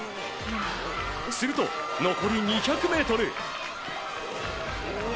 すると、残り２００ｍ。